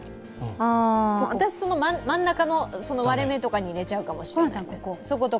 私は、真ん中の割れ目とかに入れちゃうかもしれないです。